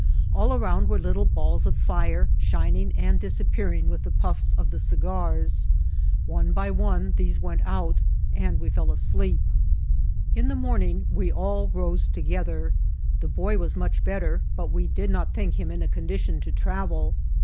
All around were little balls of fire, shining and disappearing with the puflb of the cigars. One by one these went out, and we fell asleep. In the morning we all rose together. The boy was much better, but we did not think him in a condition to travel.